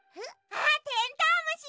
あテントウムシ！